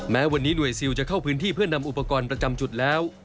แม้วันนี้หน่วยซิลจะเข้าพื้นที่เพื่อนำอุปกรณ์ประจำจุดแล้ว